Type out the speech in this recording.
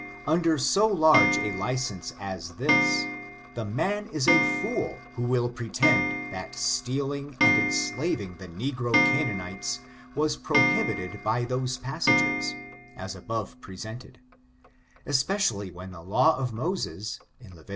Under so large a license as this, the man is a fool who will pretend that stealing and enslaving the negro Canaanites was prohibited by those passages, as above presented ; especially when the law of Moses, in Levit.